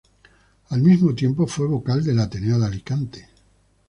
Al mismo tiempo, fue vocal del Ateneo de Alicante.